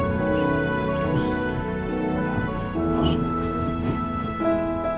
interaktif mbak ira ke tempat mem referendum hidup van gourmets